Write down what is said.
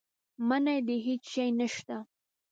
منی دی هېڅ شی نه شته.